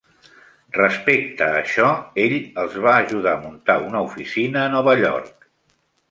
Respecte a això, ell els va ajudar a muntar una oficina a Nova York.